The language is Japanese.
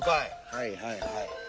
はいはいはい。